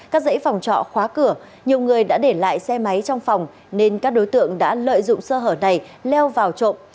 cắt dãy phòng trọ khóa cửa nhiều người đã để lại xe máy trong phòng nên các đối tượng đã lợi dụng sơ hở này leo vào trộm